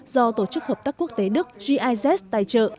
do tổ chức hợp tác quốc tế đức giz tài trợ